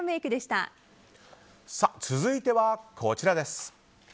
続いてはこちらです。